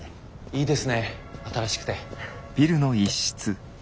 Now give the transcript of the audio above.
いいですね新しくて。